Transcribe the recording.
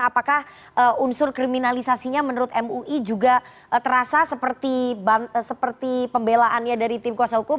apakah unsur kriminalisasinya menurut mui juga terasa seperti pembelaannya dari tim kuasa hukum